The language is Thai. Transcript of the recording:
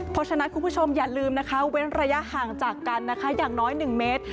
เพราะฉะนั้นคุณผู้ชมอย่าลืมนะคะเว้นระยะห่างจากกันนะคะอย่างน้อย๑เมตร